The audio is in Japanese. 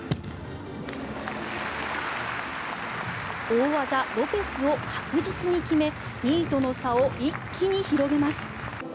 大技ロペスを確実に決め２位との差を一気に広げます。